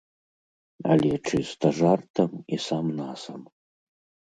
Але чыста жартам і сам-насам.